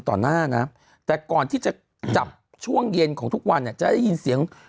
ต่อหน้านะแต่ก่อนที่จะจับช่วงเย็นของทุกวันเนี่ยจะได้ยินเสียง